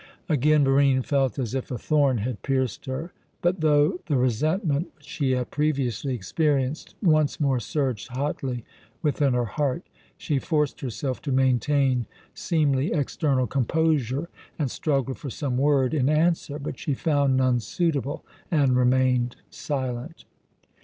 Again Barine felt as if a thorn had pierced her; but though the resentment which she had previously experienced once more surged hotly within her heart, she forced herself to maintain seemly external composure, and struggled for some word in answer; but she found none suitable, and remained silent.